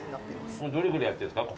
どれぐらいやってんですか？